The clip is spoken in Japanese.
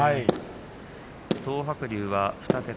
東白龍は２桁。